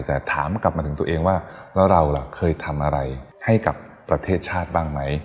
แต่ถามกลับมาถึงตัวเองว่าแล้วเราเคยทำอะไรให้กับประเทศชาติบ้างไหม